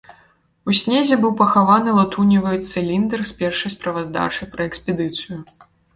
У снезе быў пахаваны латуневы цыліндр з першай справаздачай пра экспедыцыю.